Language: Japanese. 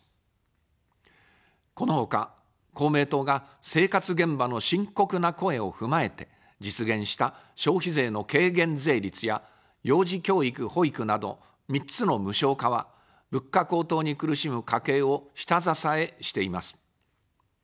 このほか、公明党が生活現場の深刻な声を踏まえて実現した消費税の軽減税率や幼児教育・保育など３つの無償化は、物価高騰に苦しむ家計を下支えしています。